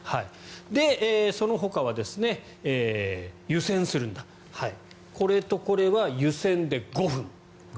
で、そのほかは湯煎するんだと。これとこれは湯煎で５分。